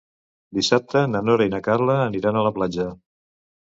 Dissabte na Noa i na Carla aniran a la platja.